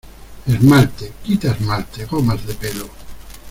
esmalte, quita -- esmalte , gomas de pelo.